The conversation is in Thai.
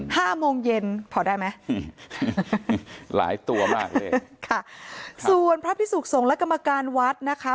ห้าโมงเย็นพอได้ไหมหลายตัวมากเลยค่ะส่วนพระพิสุขสงฆ์และกรรมการวัดนะคะ